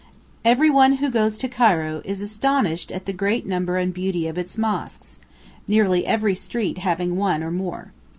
Everyone who goes to Cairo is astonished at the great number and beauty of its mosques, nearly every street having one or more.